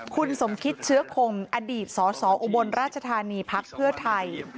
คุณสมคิตเชื้อคงอดีตสสอุบลราชธานีพักเพื่อไทย